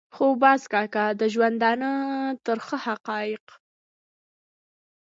خو باز کاکا د ژوندانه ترخه حقایق.